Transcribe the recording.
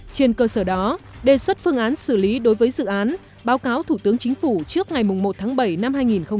trên cơ sở đó đề xuất phương án xử lý đối với dự án báo cáo thủ tướng chính phủ trước ngày một tháng bảy năm hai nghìn hai mươi